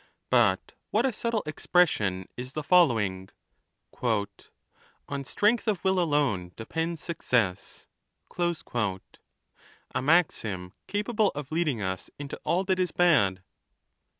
But what a subtle expression is the following ! On strength of will alone depends success ; a maxim capable of leading us into all that is bad.